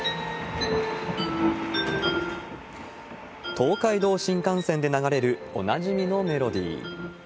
東海道新幹線で流れる、おなじみのメロディー。